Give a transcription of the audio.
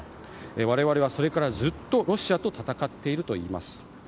我々はそれからずっとロシアと戦っているといいます。